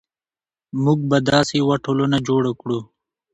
موږ به داسې یوه ټولنه جوړه کړو.